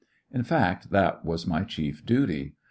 In fact^ that was my chief duty.